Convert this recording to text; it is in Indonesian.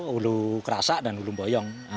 hulu kerasa dan hulu boyong